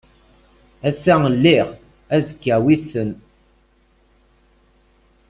Ass-a lliɣ azekka wissen.